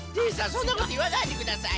そんなこといわないでください。